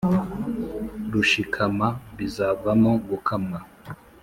Rushikama bizavamo gukamwa,